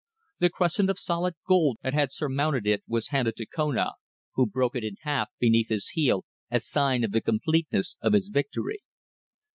The crescent of solid gold that had surmounted it was handed to Kona, who broke it in half beneath his heel as sign of the completeness of his victory.